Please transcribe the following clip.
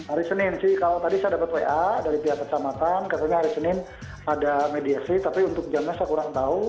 hari senin sih kalau tadi saya dapat wa dari pihak kecamatan katanya hari senin ada mediasi tapi untuk jamnya saya kurang tahu